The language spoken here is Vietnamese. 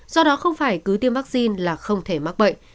do đó không phải cứ tiêm vaccine là không thể mắc bệnh